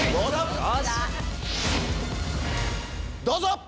どうぞ！